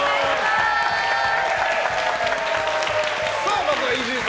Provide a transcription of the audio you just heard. まずは伊集院さん